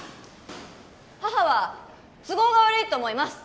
母は都合が悪いと思います